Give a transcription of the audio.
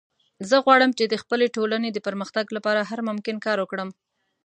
زه غواړم چې د خپلې ټولنې د پرمختګ لپاره هر ممکن کار وکړم